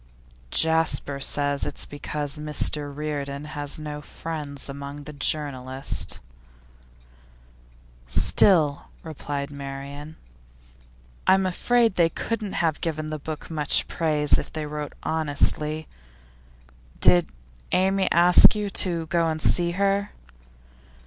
'Jasper says it's because Mr Reardon has no friends among the journalists.' 'Still,' replied Marian, 'I'm afraid they couldn't have given the book much praise, if they wrote honestly. Did Amy ask you to go and see her?